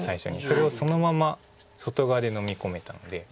それをそのまま外側でのみ込めたので。